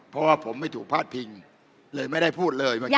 เพราะว่าผมไม่ถูกพลาดพิงเลยไม่ได้พูดเลยเมื่อกี้